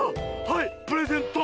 はいプレゼント！